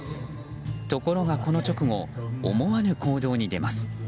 ところが、この直後思わぬ行動に出ます。